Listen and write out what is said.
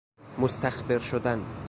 مستخبر شدن